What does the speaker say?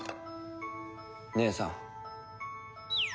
姉さん。